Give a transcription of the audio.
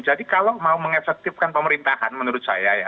jadi kalau mau mengefektifkan pemerintahan menurut saya ya